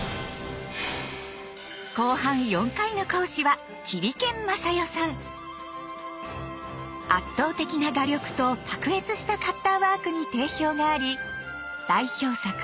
後半４回の講師は圧倒的な画力と卓越したカッターワークに定評があり代表作